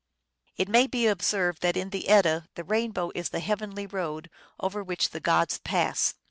It may be observed that in the Edda the rainbow is the heav enly road over which the gods pass.